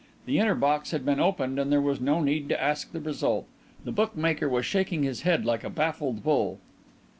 The inner box had been opened and there was no need to ask the result. The bookmaker was shaking his head like a baffled bull.